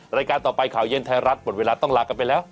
รายการต่อไปข่าวเย็นไทยรัฐหมดเวลาต้องลากันไปแล้ว